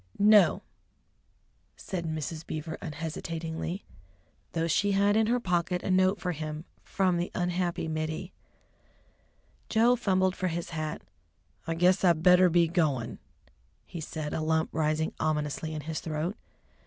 "No," said Mrs. Beaver unhesitatingly, though she had in her pocket a note for him from the unhappy Mittie. Joe fumbled for his hat. "I guess I better be goin'," he said, a lump rising ominously in his throat.